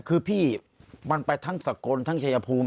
คือพี่มันไปทั้งสกลทั้งชายภูมิ